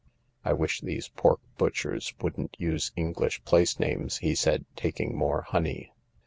"I wish these pork butchers wouldn't use English Place names," he said, taking more honey.